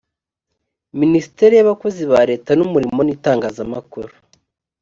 minisiteri y’abakozi ba leta n’umurimo n’itangazamakuru